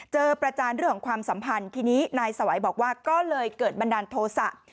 ประจานเรื่องของความสัมพันธ์ทีนี้นายสวัยบอกว่าก็เลยเกิดบันดาลโทษะ